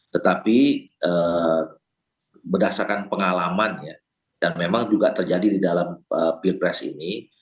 tetapi berdasarkan pengalaman dan memang juga terjadi di dalam pilpres ini